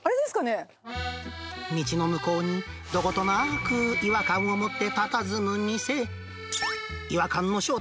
道の向こうに、どことなく違和感を持ってたたずむ店。